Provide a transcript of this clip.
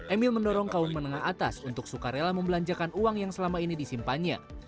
emil mendorong kaum menengah atas untuk suka rela membelanjakan uang yang selama ini disimpannya